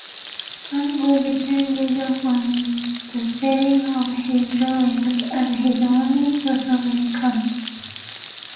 Ango depended on the selling of his drawings as his only source of income.